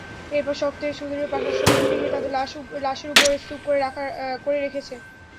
এরপর শক্ত ও সুদৃঢ় প্রাসাদসমূহ ভেংগে তাদের লাশের উপর স্তুপ করে রেখেছে।